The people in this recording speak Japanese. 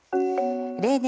例年